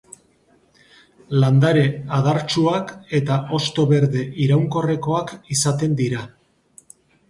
Landare adartsuak eta hosto berde iraunkorrekoak izaten dira.